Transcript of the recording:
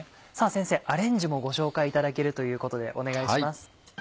先生アレンジもご紹介いただけるということでお願いします。